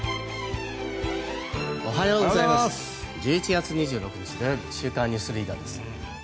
１１月２６日、土曜日「週刊ニュースリーダー」です。